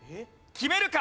決めるか？